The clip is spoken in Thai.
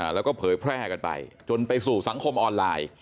แล้วก็เผยแพร่กันไปจนไปสู่สังคมออนไลน์